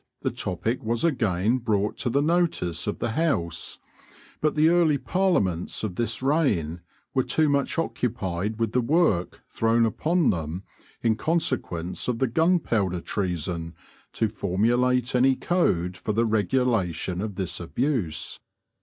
the topic was again brought to the notice of the House, but the early Parliaments of this reign were too much occupied with the work thrown upon them in consequence of the Gunpowder Treason to formulate any code for the regulation of this abuse.